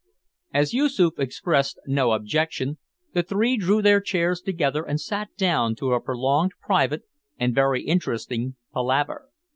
As Yoosoof expressed no objection, the three drew their chairs together and sat down to a prolonged private and very interesting palaver.